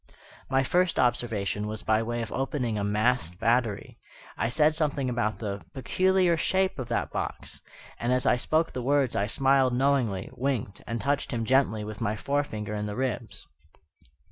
My first observation was by way of opening a masked battery. I said something about the "peculiar shape of that box"; and, as I spoke the words I smiled knowingly, winked, and touched him gently with my forefinger in the ribs.